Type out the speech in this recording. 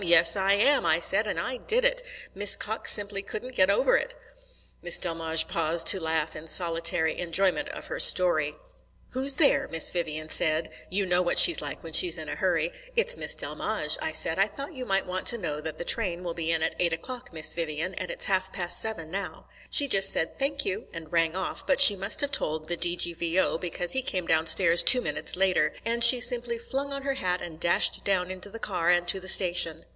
Yes, I am,' I said, and I did it. Miss Cox simply couldn't get over it." Miss Delmege paused to laugh in solitary enjoyment of her story. "'Who's there?' Miss Vivian said you know what she's like when she's in a hurry. 'It's Miss Delmege,' I said. 'I thought you might want to know that the train will be in at eight o'clock, Miss Vivian, and it's half past seven now.' She just said 'Thank you,' and rang off; but she must have told the D.G.V.O., because he came downstairs two minutes later. And she simply flung on her hat and dashed down into the car and to the station."